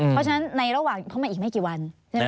เพราะฉะนั้นในระหว่างเพราะมันอีกไม่กี่วัน